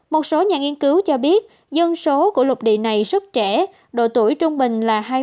một số nhà nghiên cứu cho biết dân số của lục địa này rất trẻ độ tuổi trung bình là hai mươi